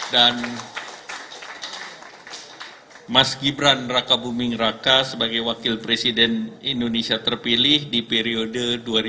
dan mas gibran raka buming raka sebagai wakil presiden indonesia terpilih di periode dua ribu dua puluh empat dua ribu dua puluh lima